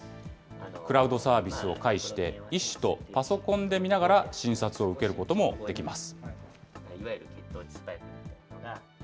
クラウドサービスを介して、医師とパソコンで見ながら診察を受けることもできます。